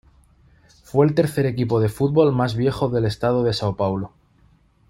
Fue el tercer equipo de fútbol más viejo del estado de Sao Paulo.